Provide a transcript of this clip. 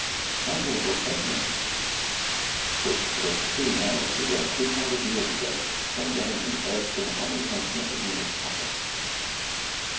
Admirable sentiments, which are as true now as they were two hundred years ago, when Yarranton urged them upon the attention of the English public.